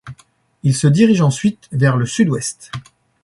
Il se dirige ensuite vers le sud-ouest.